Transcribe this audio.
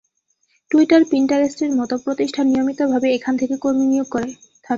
Twitter, পিন্টারেস্টের মতো প্রতিষ্ঠান নিয়মিতভাবে এখান থেকে কর্মী নিয়োগ করে থাকে।